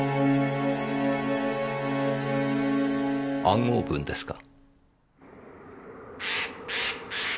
暗号文ですか。